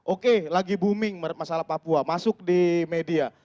oke lagi booming masalah papua masuk di media